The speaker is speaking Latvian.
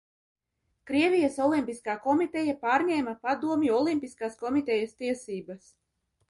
Krievijas Olimpiskā komiteja pārņēma Padomju Olimpiskās komitejas tiesības.